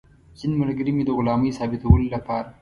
ځینې ملګري مې د غلامۍ ثابتولو لپاره.